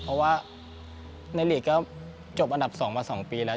เพราะว่าในหลีกก็จบอันดับ๒มา๒ปีแล้ว